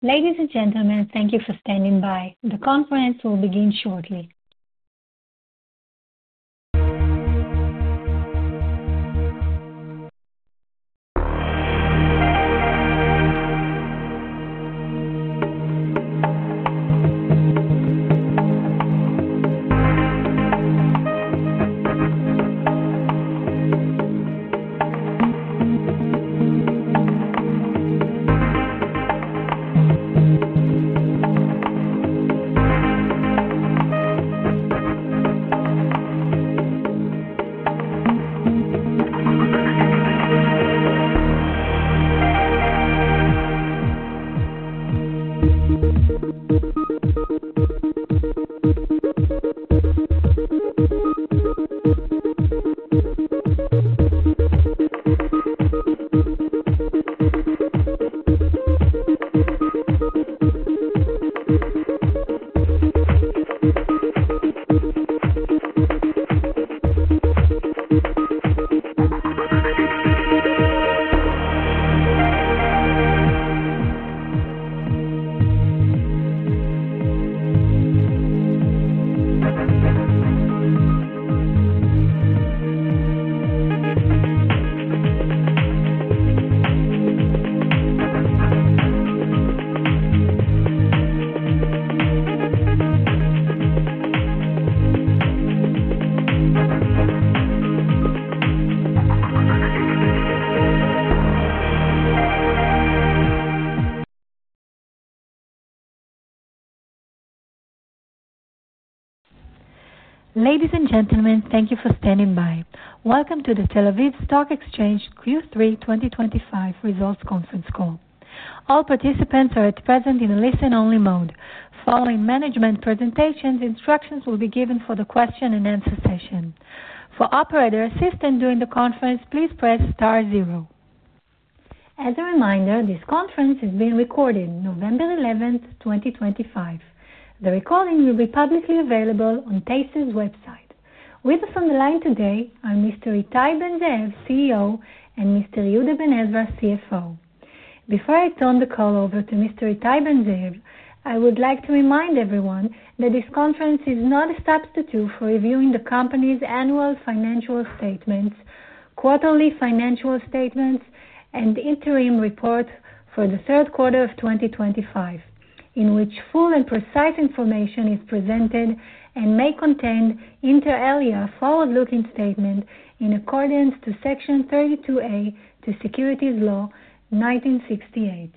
Ladies and gentlemen, thank you for standing by. The conference will begin shortly. Ladies and gentlemen, thank you for standing by. Welcome to the Tel Aviv Stock Exchange Q3 2025 results conference Call. All participants are at present in listen-only mode. Following management presentations, instructions will be given for the question-and-answer session. For operator assistance during the conference, please press star zero. As a reminder, this conference is being recorded November 11th, 2025. The recording will be publicly available on TASE's website. With us on the line today are Mr. Ittai Ben-Zeev, CEO, and Mr. Yehuda Ben-Ezra, CFO. Before I turn the call over to Mr. Ittai Ben-Zeev, I would like to remind everyone that this conference is not a substitute for reviewing the company's annual financial statements, quarterly financial statements, and interim report for the third quarter of 2025, in which full and precise information is presented and may contain inter-area forward-looking statement in accordance to Section 32-A to Securities Law 1968.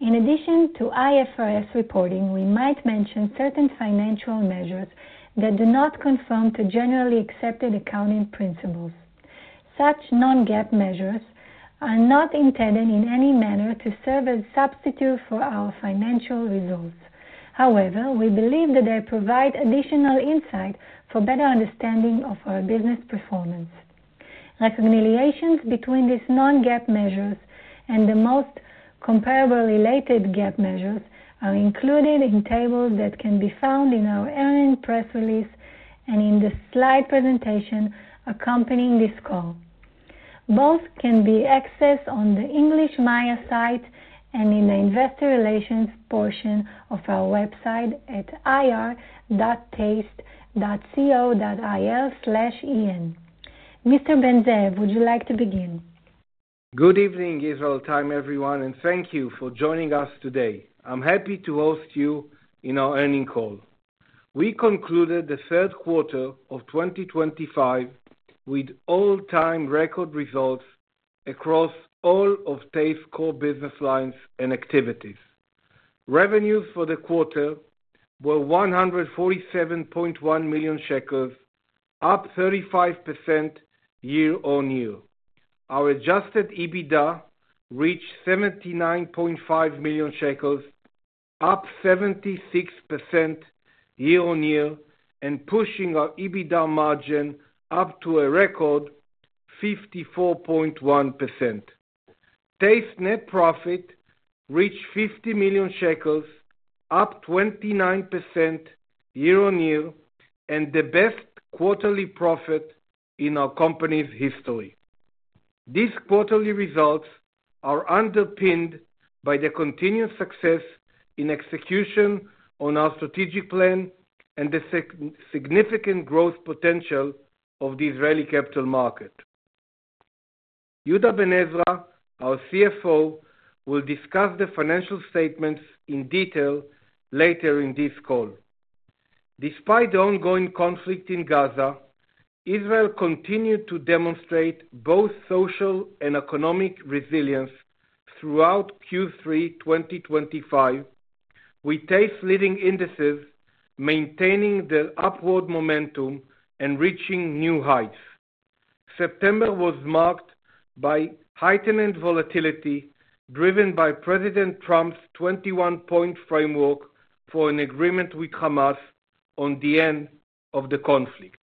In addition to IFRS reporting, we might mention certain financial measures that do not conform to generally accepted accounting principles. Such non-GAAP measures are not intended in any manner to serve as a substitute for our financial results. However, we believe that they provide additional insight for better understanding of our business performance. Reconciliations between these non-GAAP measures and the most comparably related GAAP measures are included in tables that can be found in our airing press release and in the slide presentation accompanying this call. Both can be accessed on the English Maya site and in the investor relations portion of our website at ir.tase.co.il/en. Mr. Ben-Zeev, would you like to begin? Good evening, Israel time everyone, and thank you for joining us today. I'm happy to host you in our earning call. We concluded the third quarter of 2025 with all-time record results across all of TASE's core business lines and activities. Revenues for the quarter were 147.1 million shekels, up 35% year on year. Our Adjusted EBITDA reached 79.5 million shekels, up 76% year on year, and pushing our EBITDA margin up to a record 54.1%. TASE net profit reached 50 million shekels, up 29% year on year, and the best quarterly profit in our company's history. These quarterly results are underpinned by the continued success in execution on our strategic plan and the significant growth potential of the Israeli capital market. Yehuda Ben-Ezra, our CFO, will discuss the financial statements in detail later in this call. Despite the ongoing conflict in Gaza, Israel continued to demonstrate both social and economic resilience throughout Q3 2025, with TASE's leading indices maintaining their upward momentum and reaching new heights. September was marked by heightened volatility driven by President Trump's 21-point framework for an agreement with Hamas on the end of the conflict.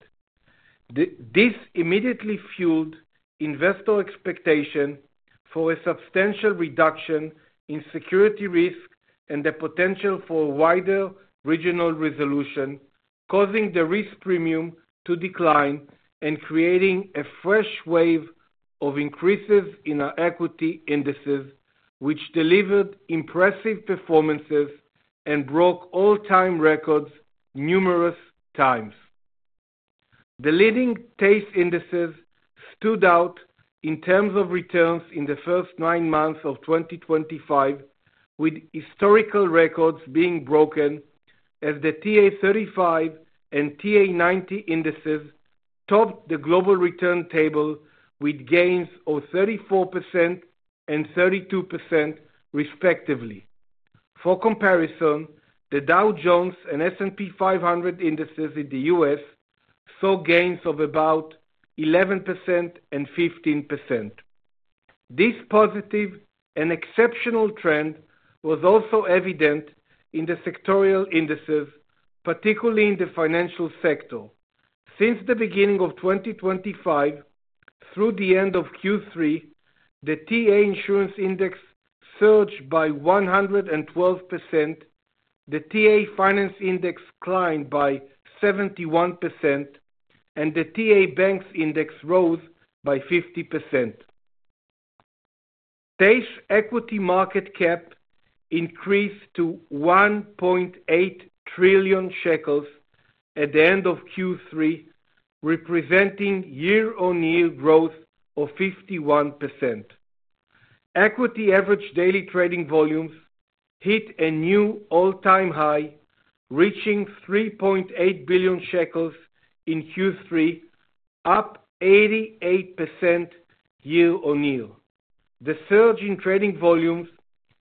This immediately fueled investor expectation for a substantial reduction in security risk and the potential for wider regional resolution, causing the risk premium to decline and creating a fresh wave of increases in our equity indices, which delivered impressive performances and broke all-time records numerous times. The leading TASE indices stood out in terms of returns in the first nine months of 2025, with historical records being broken as the TA-35 and TA-90 indices topped the global return table with gains of 34% and 32% respectively. For comparison, the Dow Jones and S&P 500 indices in the U.S. saw gains of about 11% and 15%. This positive and exceptional trend was also evident in the sectorial indices, particularly in the financial sector. Since the beginning of 2025, through the end of Q3, the TA Insurance Index surged by 112%, the TA Finance Index climbed by 71%, and the TA Banks Index rose by 50%. TASE's equity market cap increased to 1.8 trillion shekels at the end of Q3, representing year-on-year growth of 51%. Equity average daily trading volumes hit a new all-time high, reaching 3.8 billion shekels in Q3, up 88% year-on-year. The surge in trading volumes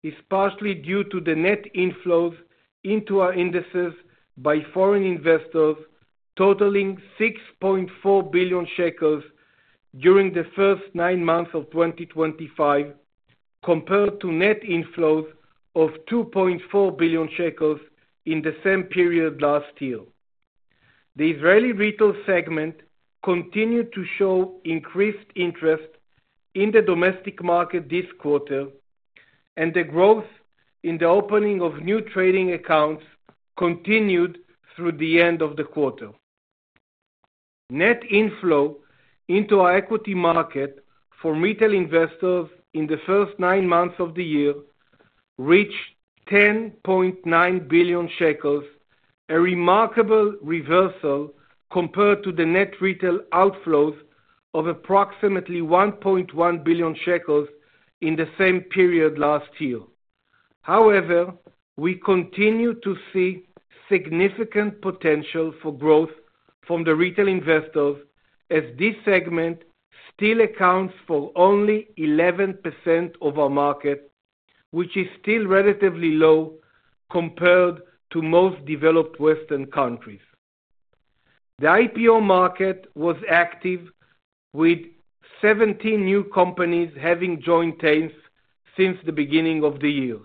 is partially due to the net inflows into our indices by foreign investors totaling 6.4 billion shekels during the first nine months of 2025, compared to net inflows of 2.4 billion shekels in the same period last year. The Israeli retail segment continued to show increased interest in the domestic market this quarter, and the growth in the opening of new trading accounts continued through the end of the quarter. Net inflow into our equity market for retail investors in the first nine months of the year reached 10.9 billion shekels, a remarkable reversal compared to the net retail outflows of approximately 1.1 billion shekels in the same period last year. However, we continue to see significant potential for growth from the retail investors as this segment still accounts for only 11% of our market, which is still relatively low compared to most developed Western countries. The IPO market was active, with 17 new companies having joined TASE since the beginning of the year,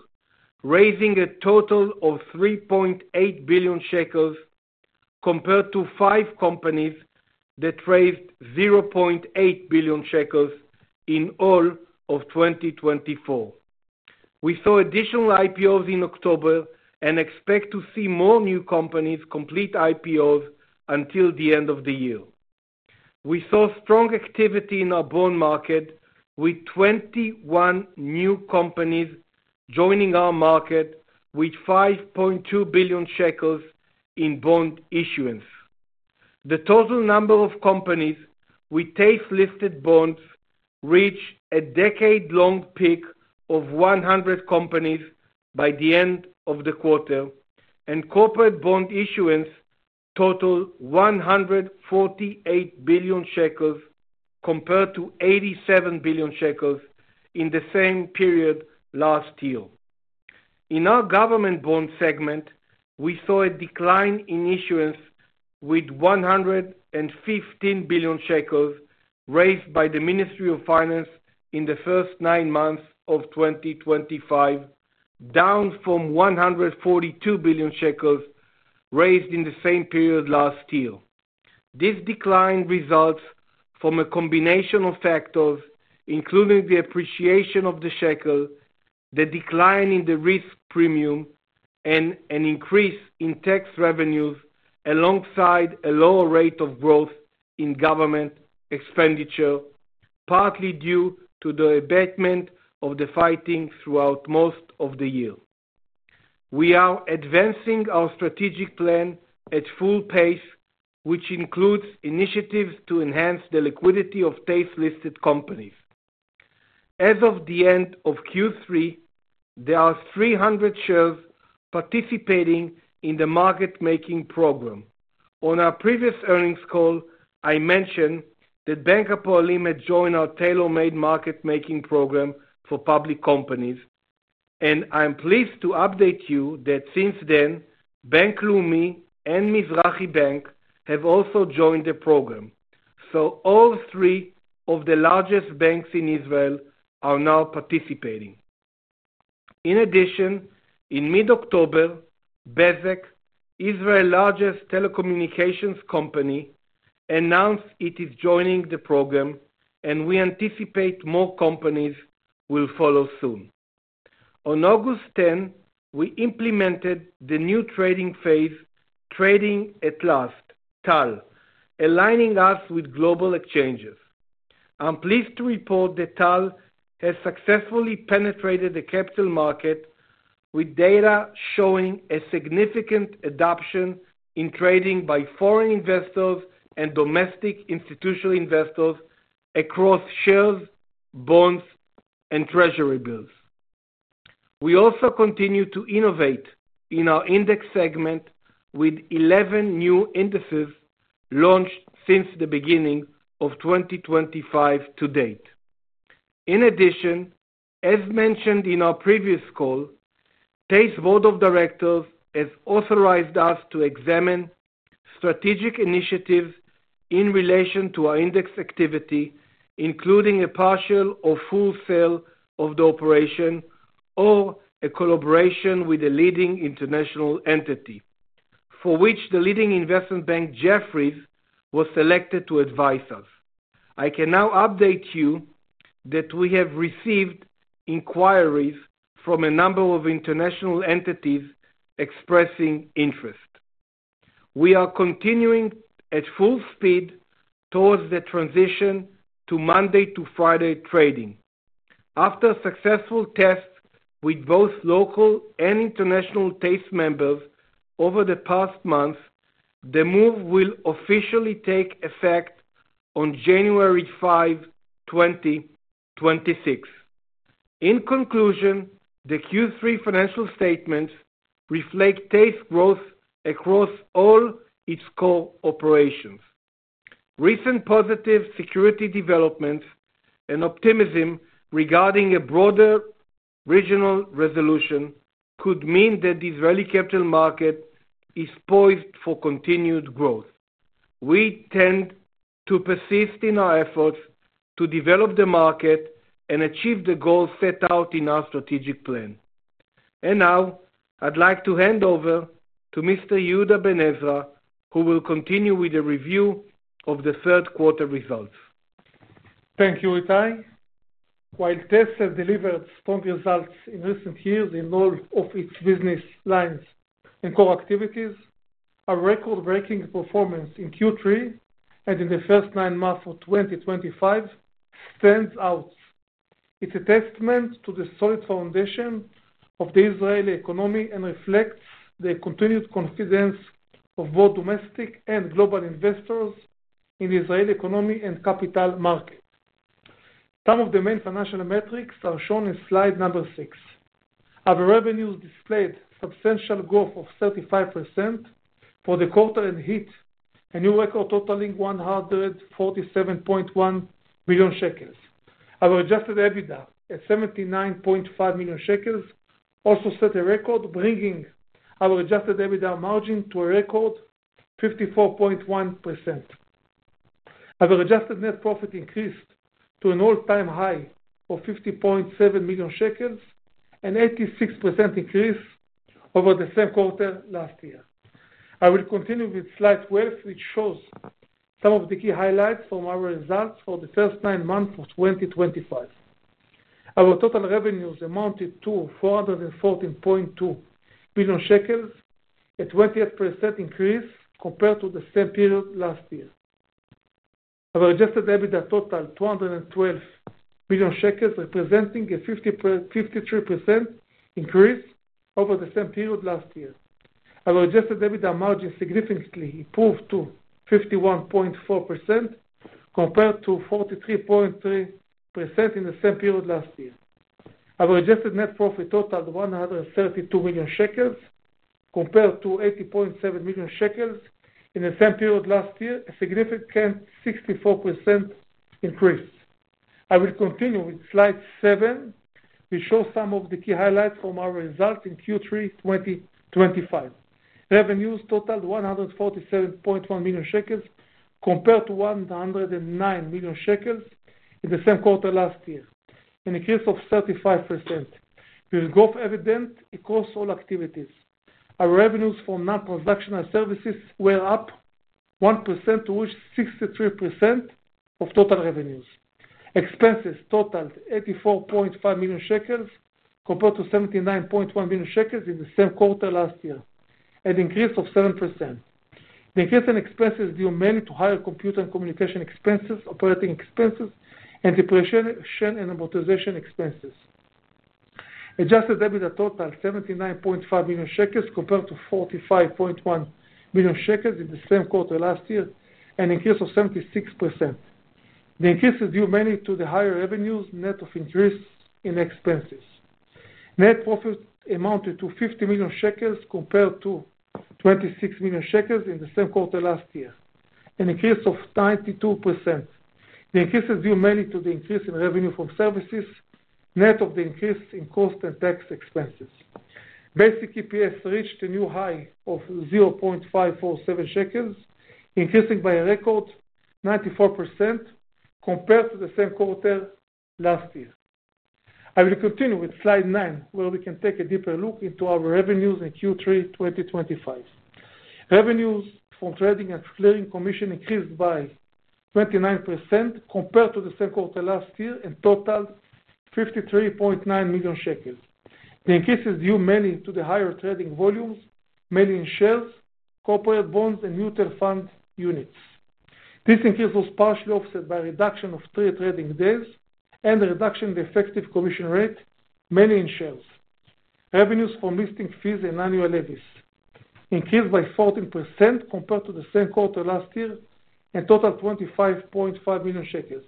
raising a total of 3.8 billion shekels compared to five companies that raised 0.8 billion shekels in all of 2024. We saw additional IPOs in October and expect to see more new companies complete IPOs until the end of the year. We saw strong activity in our bond market, with 21 new companies joining our market with 5.2 billion shekels in bond issuance. The total number of companies with TASE-listed bonds reached a decade-long peak of 100 companies by the end of the quarter, and corporate bond issuance totaled 148 billion shekels compared to 87 billion shekels in the same period last year. In our government bond segment, we saw a decline in issuance with 115 billion shekels raised by the Ministry of Finance in the first nine months of 2023, down from 142 billion shekels raised in the same period last year. This decline results from a combination of factors, including the appreciation of the shekel, the decline in the risk premium, and an increase in tax revenues, alongside a lower rate of growth in government expenditure, partly due to the abatement of the fighting throughout most of the year. We are advancing our strategic plan at full pace, which includes initiatives to enhance the liquidity of TASE-listed companies. As of the end of Q3, there are 300 shares participating in the market-making program. On our previous earnings call, I mentioned that Bank Hapoalim had joined our tailor-made market-making program for public companies, and I'm pleased to update you that since then, Bank Leumi and Mizrahi Tefahot Bank have also joined the program. All three of the largest banks in Israel are now participating. In addition, in mid-October, Bezeq, Israel's largest telecommunications company, announced it is joining the program, and we anticipate more companies will follow soon. On August 10th, we implemented the new trading phase, Trading At Last, TAL, aligning us with global exchanges. I'm pleased to report that TAL has successfully penetrated the capital market, with data showing a significant adoption in trading by foreign investors and domestic institutional investors across shares, bonds, and treasury bills. We also continue to innovate in our index segment with 11 new indices launched since the beginning of 2023 to date. In addition, as mentioned in our previous call, TASE's Board of Directors has authorized us to examine strategic initiatives in relation to our index activity, including a partial or full sale of the operation or a collaboration with a leading international entity, for which the leading investment bank, Jefferies, was selected to advise us. I can now update you that we have received inquiries from a number of international entities expressing interest. We are continuing at full speed towards the transition to Monday to Friday trading. After successful tests with both local and international TASE members over the past month, the move will officially take effect on January 5, 2026. In conclusion, the Q3 financial statements reflect TASE's growth across all its core operations. Recent positive security developments and optimism regarding a broader regional resolution could mean that the Israeli capital market is poised for continued growth. We tend to persist in our efforts to develop the market and achieve the goals set out in our strategic plan. I would like to hand over to Mr. Yehuda Ben-Ezra, who will continue with the review of the third quarter results. Thank you, Ittai. While TASE has delivered strong results in recent years in all of its business lines and core activities, our record-breaking performance in Q3 and in the first nine months of 2023 stands out. It's a testament to the solid foundation of the Israeli economy and reflects the continued confidence of both domestic and global investors in the Israeli economy and capital market. Some of the main financial metrics are shown in slide number six. Our revenues displayed substantial growth of 35% for the quarter and hit a new record totaling 147.1 million shekels. Our Adjusted EBITDA at 79.5 million shekels also set a record, bringing our Adjusted EBITDA margin to a record 54.1%. Our adjusted net profit increased to an all-time high of 50.7 million shekels and an 86% increase over the same quarter last year. I will continue with slide 12, which shows some of the key highlights from our results for the first nine months of 2025. Our total revenues amounted to 414.2 million shekels, a 28% increase compared to the same period last year. Our Adjusted EBITDA totaled 212 million shekels, representing a 53% increase over the same period last year. Our Adjusted EBITDA margin significantly improved to 51.4% compared to 43.3% in the same period last year. Our adjusted net profit totaled 132 million shekels compared to 80.7 million shekels in the same period last year, a significant 64% increase. I will continue with slide seven, which shows some of the key highlights from our results in Q3 2025. Revenues totaled 147.1 million shekels compared to 109 million shekels in the same quarter last year, an increase of 35%, with growth evident across all activities. Our revenues for non-transactional services were up 1%, to reach 63% of total revenues. Expenses totaled 84.5 million shekels compared to 79.1 million shekels in the same quarter last year, an increase of 7%. The increase in expenses due mainly to higher computer and communication expenses, operating expenses, and depreciation and amortization expenses. Adjusted EBITDA totaled 79.5 million shekels compared to 45.1 million shekels in the same quarter last year, an increase of 76%. The increase is due mainly to the higher revenues net of increase in expenses. Net profit amounted to 50 million shekels compared to 26 million shekels in the same quarter last year, an increase of 92%. The increase is due mainly to the increase in revenue from services, net of the increase in cost and tax expenses. Basic EPS reached a new high of 0.547 shekels, increasing by a record 94% compared to the same quarter last year. I will continue with slide nine, where we can take a deeper look into our revenues in Q3 2025. Revenues from trading and clearing commission increased by 29% compared to the same quarter last year and totaled 53.9 million shekels. The increase is due mainly to the higher trading volumes, mainly in shares, corporate bonds, and mutual fund units. This increase was partially offset by a reduction of three trading days and a reduction in the effective commission rate, mainly in shares. Revenues from listing fees and annual levies increased by 14% compared to the same quarter last year and totaled 25.5 million shekels.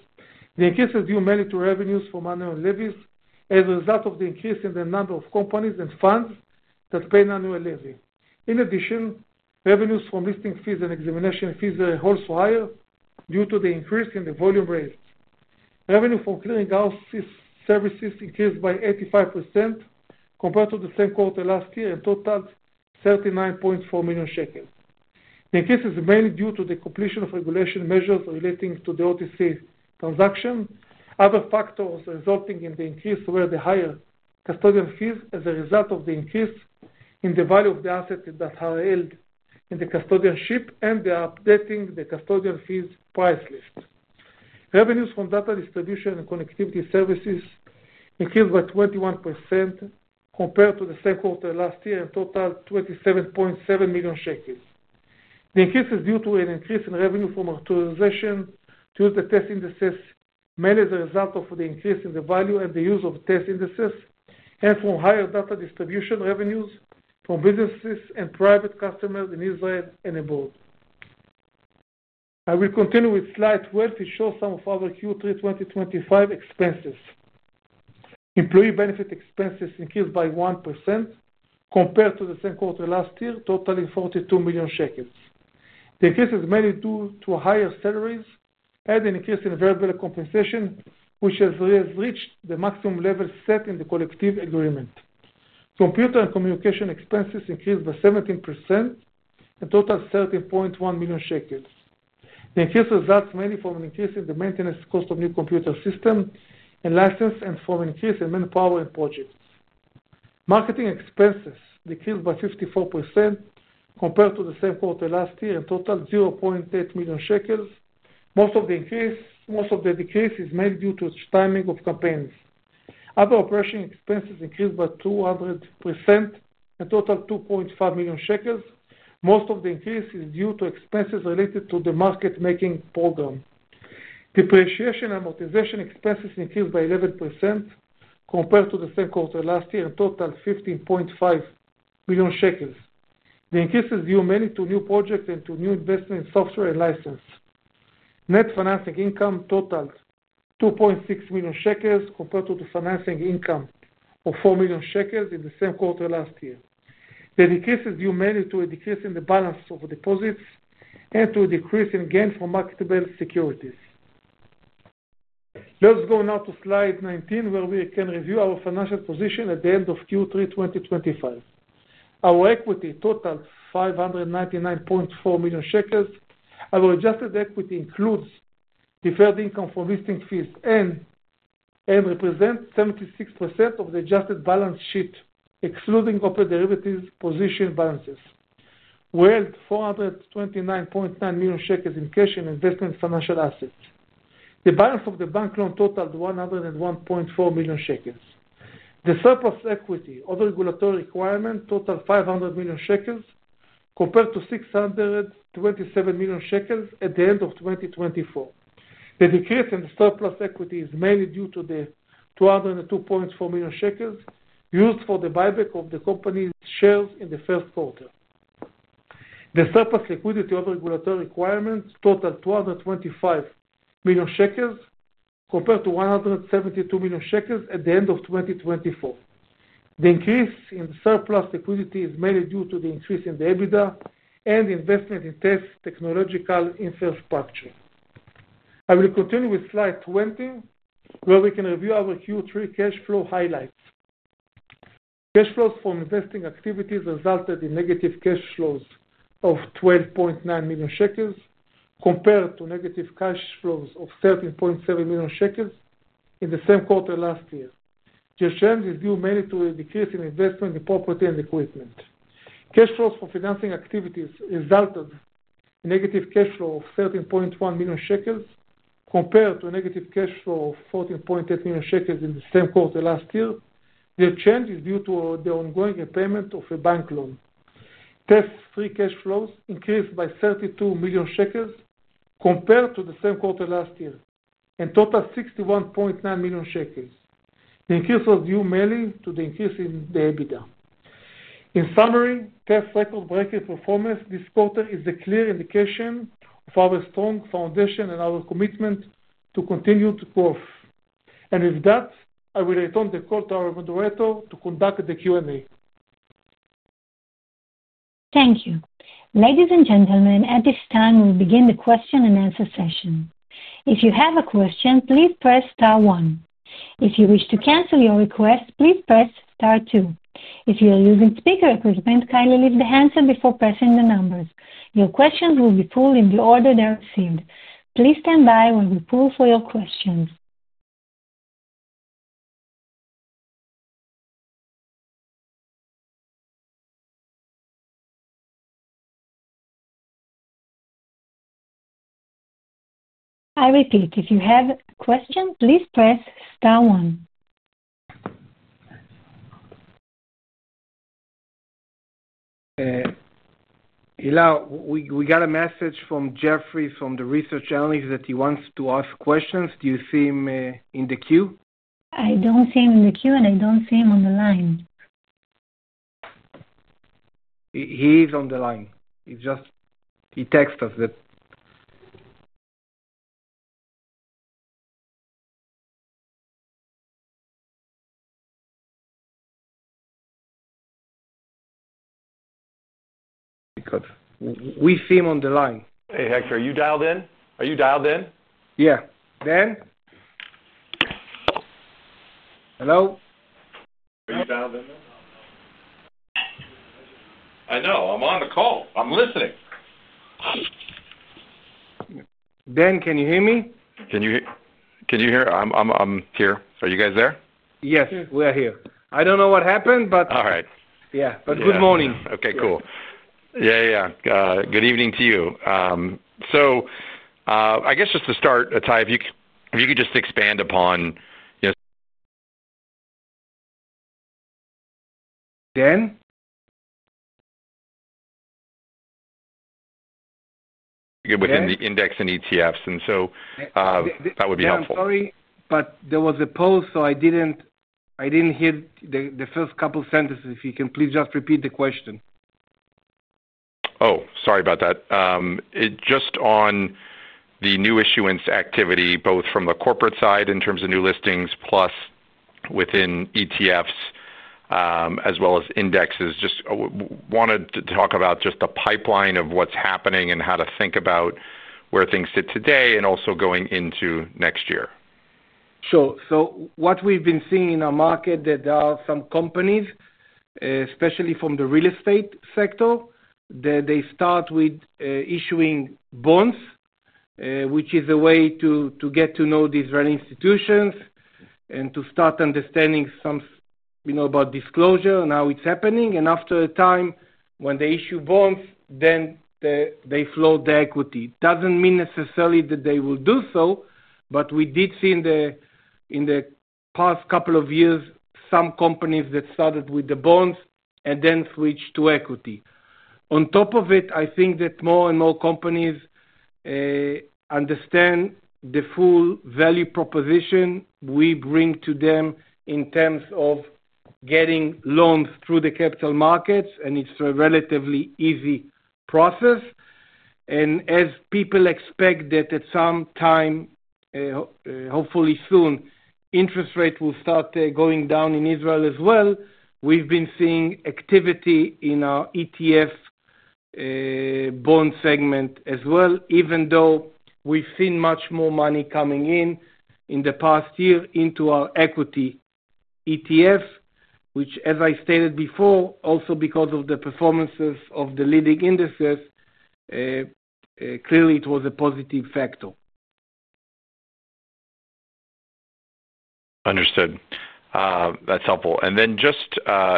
The increase is due mainly to revenues from annual levies as a result of the increase in the number of companies and funds that pay an annual levy. In addition, revenues from listing fees and examination fees were also higher due to the increase in the volume raised. Revenue from clearing house services increased by 85% compared to the same quarter last year and totaled 39.4 million shekels. The increase is mainly due to the completion of regulation measures relating to the OTC transaction. Other factors resulting in the increase were the higher custodian fees as a result of the increase in the value of the assets that are held in the custodianship and the updating of the custodian fees price list. Revenues from data distribution and connectivity services increased by 21% compared to the same quarter last year and totaled 27.7 million shekels. The increase is due to an increase in revenue from authorization to use the TASE indices mainly as a result of the increase in the value and the use of TASE indices and from higher data distribution revenues from businesses and private customers in Israel and abroad. I will continue with slide 12, which shows some of our Q3 2025 expenses. Employee benefit expenses increased by 1% compared to the same quarter last year, totaling 42 million shekels. The increase is mainly due to higher salaries and an increase in variable compensation, which has reached the maximum level set in the collective agreement. Computer and communication expenses increased by 17% and totaled 13.1 million shekels. The increase results mainly from an increase in the maintenance cost of new computer systems and licenses and from an increase in manpower and projects. Marketing expenses decreased by 54% compared to the same quarter last year and totaled 0.8 million shekels. Most of the decrease is mainly due to the timing of campaigns. Other operation expenses increased by 200% and totaled 2.5 million shekels. Most of the increase is due to expenses related to the market-making program. Depreciation and amortization expenses increased by 11% compared to the same quarter last year and totaled 15.5 million shekels. The increase is due mainly to new projects and to new investment in software and licenses. Net financing income totaled 2.6 million shekels compared to the financing income of 4 million shekels in the same quarter last year. The decrease is due mainly to a decrease in the balance of deposits and to a decrease in gain from marketable securities. Let's go now to slide 19, where we can review our financial position at the end of Q3 2025. Our equity totaled 599.4 million shekels. Our adjusted equity includes deferred income from listing fees and represents 76% of the adjusted balance sheet, excluding corporate derivatives, position balances. We held 429.9 million shekels in cash and investment financial assets. The balance of the bank loan totaled 101.4 million shekels. The surplus equity, other regulatory requirements, totaled 500 million shekels compared to 627 million shekels at the end of 2024. The decrease in the surplus equity is mainly due to the 202.4 million shekels used for the buyback of the company's shares in the first quarter. The surplus liquidity, other regulatory requirements, totaled 225 million shekels compared to 172 million shekels at the end of 2024. The increase in surplus liquidity is mainly due to the increase in the EBITDA and investment in TASE technological infrastructure. I will continue with slide 20, where we can review our Q3 cash flow highlights. Cash flows from investing activities resulted in negative cash flows of 12.9 million shekels compared to negative cash flows of 13.7 million shekels in the same quarter last year. The change is due mainly to a decrease in investment in property and equipment. Cash flows from financing activities resulted in negative cash flow of 13.1 million shekels compared to a negative cash flow of 14.8 million shekels in the same quarter last year. The change is due to the ongoing repayment of a bank loan. TASE's free cash flows increased by 32 million shekels compared to the same quarter last year and totaled 61.9 million shekels. The increase was due mainly to the increase in the EBITDA. In summary, TASE's record-breaking performance this quarter is a clear indication of our strong foundation and our commitment to continue to growth. With that, I will return the call to our moderator to conduct the Q&A. Thank you. Ladies and gentlemen, at this time, we will begin the question-and-answer session. If you have a question, please press star one. If you wish to cancel your request, please press star two. If you are using speaker equipment, kindly lift the handset before pressing the numbers. Your questions will be pulled in the order they are received. Please stand by while we pull for your questions. I repeat, if you have a question, please press star one. Ilah, we got a message from Jeffries from the research analyst that he wants to ask questions. Do you see him in the queue? I don't see him in the queue, and I don't see him on the line. He is on the line. He just texted us that. We see him on the line. Hey, Hector, are you dialed in? Yeah. Ben? Hello? Are you dialed in, Ben? I know. I'm on the call. I'm listening. Ben, can you hear me? Can you hear? I'm here. Are you guys there? Yes, we are here. I don't know what happened, but. All right. Yeah, good morning. Good morning. Okay, cool. Yeah, yeah. Good evening to you. I guess just to start, Ittai, if you could just expand upon. Ben? Within the index and ETFs. That would be helpful. Sorry, but there was a pause, so I didn't hear the first couple of sentences. If you can please just repeat the question. Oh, sorry about that. Just on the new issuance activity, both from the corporate side in terms of new listings plus within ETFs as well as indexes, just wanted to talk about just the pipeline of what's happening and how to think about where things sit today and also going into next year. What we've been seeing in our market, there are some companies, especially from the real estate sector, that they start with issuing bonds, which is a way to get to know these institutions and to start understanding some about disclosure and how it's happening. After a time, when they issue bonds, then they float the equity. It does not mean necessarily that they will do so, but we did see in the past couple of years some companies that started with the bonds and then switched to equity. On top of it, I think that more and more companies understand the full value proposition we bring to them in terms of getting loans through the capital markets, and it is a relatively easy process. As people expect that at some time, hopefully soon, interest rates will start going down in Israel as well, we've been seeing activity in our ETF bond segment as well, even though we've seen much more money coming in in the past year into our equity ETF, which, as I stated before, also because of the performances of the leading indices, clearly it was a positive factor. Understood. That's helpful. Just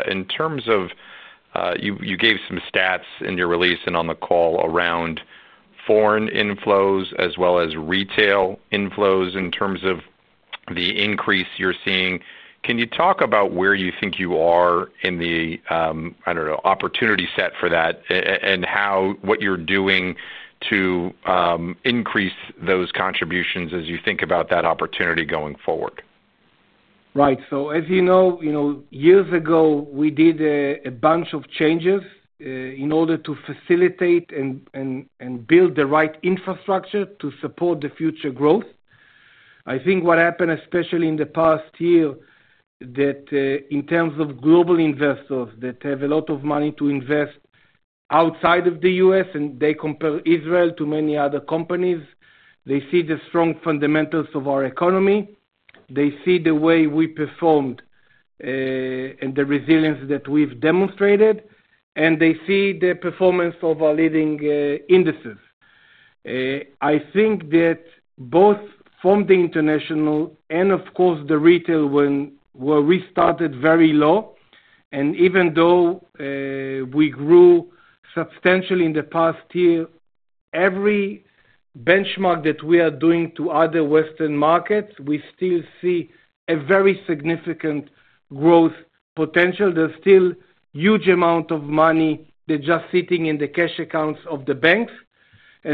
in terms of you gave some stats in your release and on the call around foreign inflows as well as retail inflows in terms of the increase you're seeing. Can you talk about where you think you are in the, I don't know, opportunity set for that and what you're doing to increase those contributions as you think about that opportunity going forward? Right. As you know, years ago, we did a bunch of changes in order to facilitate and build the right infrastructure to support the future growth. I think what happened, especially in the past year, is that in terms of global investors that have a lot of money to invest outside of the U.S. and they compare Israel to many other countries, they see the strong fundamentals of our economy. They see the way we performed and the resilience that we've demonstrated, and they see the performance of our leading indices. I think that both from the international and, of course, the retail, we restarted very low. Even though we grew substantially in the past year, every benchmark that we are doing to other Western markets, we still see a very significant growth potential. There's still a huge amount of money that's just sitting in the cash accounts of the banks.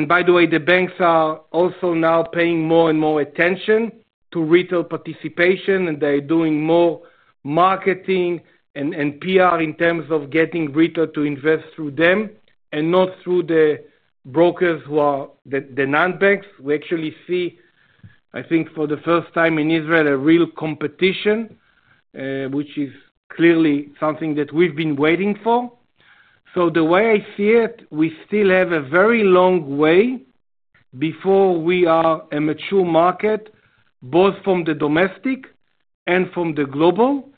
By the way, the banks are also now paying more and more attention to retail participation, and they're doing more marketing and PR in terms of getting retail to invest through them and not through the brokers who are the non-banks. We actually see, I think for the first time in Israel, a real competition, which is clearly something that we've been waiting for. The way I see it, we still have a very long way before we are a mature market, both from the domestic and from the global.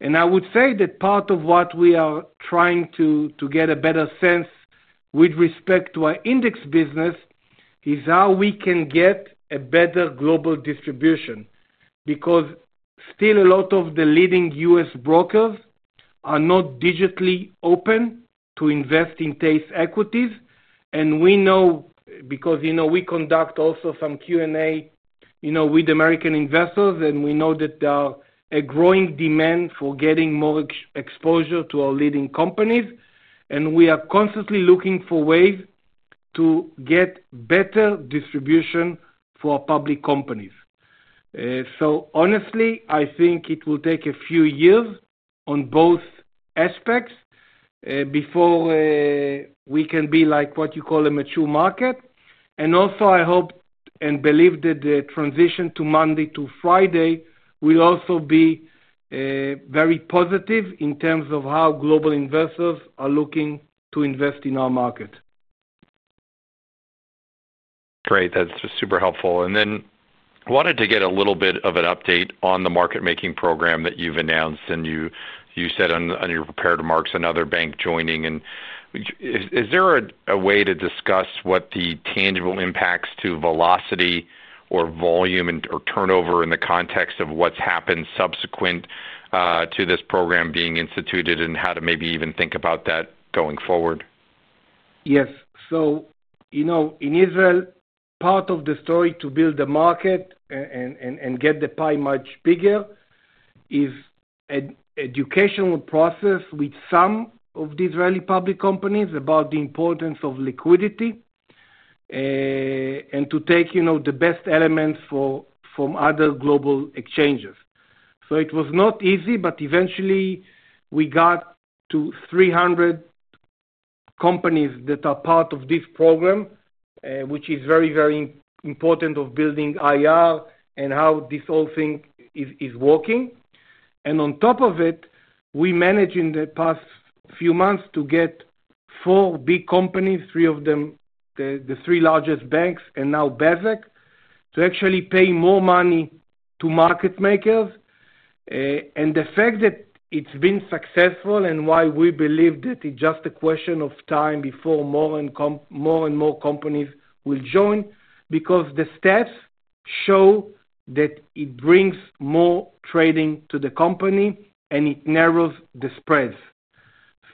I would say that part of what we are trying to get a better sense with respect to our index business is how we can get a better global distribution because still a lot of the leading U.S. brokers are not digitally open to invest in TASE equities. We know, because we conduct also some Q&A with American investors, and we know that there is a growing demand for getting more exposure to our leading companies. We are constantly looking for ways to get better distribution for public companies. Honestly, I think it will take a few years on both aspects before we can be like what you call a mature market. I hope and believe that the transition to Monday to Friday will also be very positive in terms of how global investors are looking to invest in our market. Great. That's super helpful. I wanted to get a little bit of an update on the market-making program that you've announced. You said on your prepared remarks, another bank joining. Is there a way to discuss what the tangible impacts to velocity or volume or turnover in the context of what's happened subsequent to this program being instituted and how to maybe even think about that going forward? Yes. In Israel, part of the story to build the market and get the pie much bigger is an educational process with some of the Israeli public companies about the importance of liquidity and to take the best elements from other global exchanges. It was not easy, but eventually, we got to 300 companies that are part of this program, which is very, very important for building IR and how this whole thing is working. On top of it, we managed in the past few months to get four big companies, three of them, the three largest banks, and now Bezeq to actually pay more money to market makers. The fact that it's been successful and why we believe that it's just a question of time before more and more companies will join because the stats show that it brings more trading to the company and it narrows the spreads.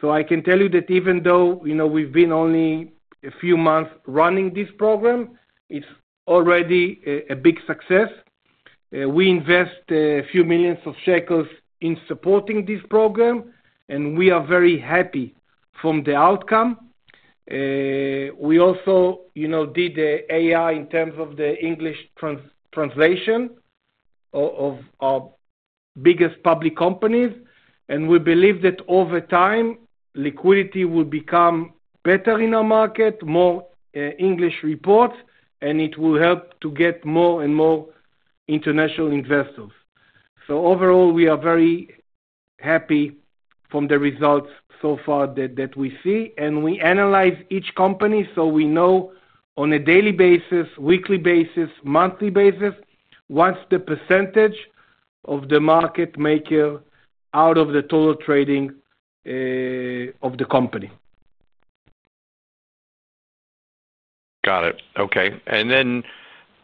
I can tell you that even though we've been only a few months running this program, it's already a big success. We invest a few million shekel in supporting this program, and we are very happy from the outcome. We also did the AI in terms of the English translation of our biggest public companies. We believe that over time, liquidity will become better in our market, more English reports, and it will help to get more and more international investors. Overall, we are very happy from the results so far that we see. We analyze each company so we know on a daily basis, weekly basis, monthly basis, what's the percentage of the market maker out of the total trading of the company. Got it. Okay.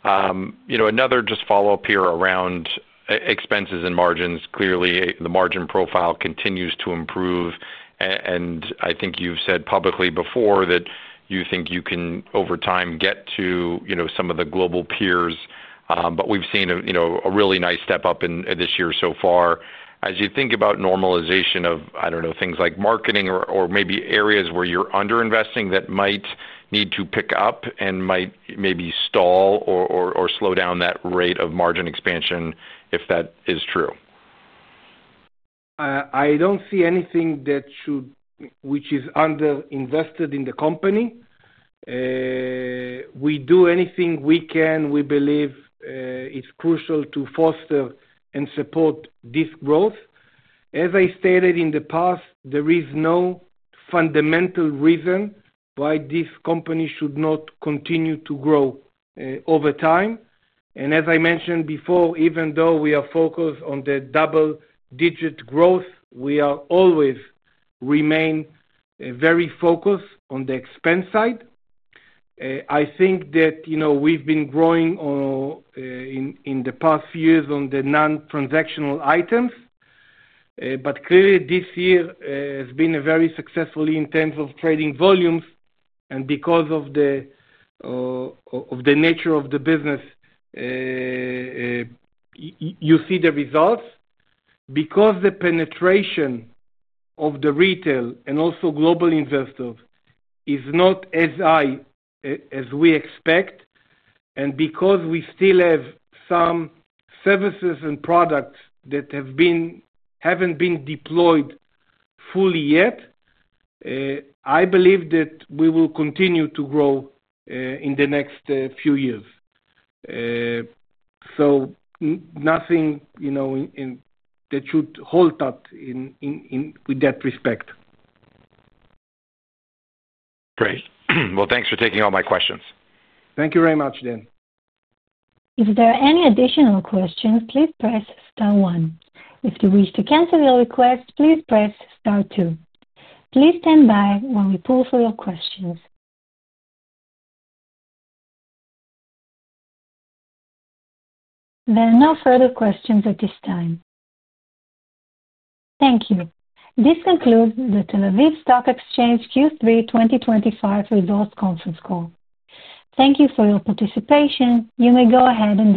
Another just follow-up here around expenses and margins. Clearly, the margin profile continues to improve. I think you've said publicly before that you think you can, over time, get to some of the global peers. We've seen a really nice step up this year so far. As you think about normalization of, I don't know, things like marketing or maybe areas where you're underinvesting that might need to pick up and might maybe stall or slow down that rate of margin expansion, if that is true? I don't see anything that should, which is underinvested in the company. We do anything we can, we believe it's crucial to foster and support this growth. As I stated in the past, there is no fundamental reason why this company should not continue to grow over time. As I mentioned before, even though we are focused on the double-digit growth, we always remain very focused on the expense side. I think that we've been growing in the past few years on the non-transactional items. Clearly, this year has been very successful in terms of trading volumes. Because of the nature of the business, you see the results. Because the penetration of the retail and also global investors is not as high as we expect, and because we still have some services and products that have not been deployed fully yet, I believe that we will continue to grow in the next few years. Nothing that should hold up with that respect. Great. Thanks for taking all my questions. Thank you very much, Ben. If there are any additional questions, please press star one. If you wish to cancel your request, please press star two. Please stand by while we pull for your questions. There are no further questions at this time. Thank you. This concludes the Tel Aviv Stock Exchange Q3 2025 results conference call. Thank you for your participation. You may go ahead and.